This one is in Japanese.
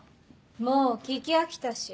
もう聞き飽きたし。